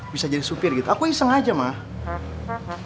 bisa jadi supir gitu aku iseng aja mah